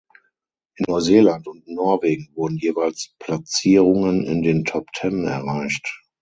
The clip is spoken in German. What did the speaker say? In Neuseeland und Norwegen wurden jeweils Platzierungen in den Top Ten erreicht.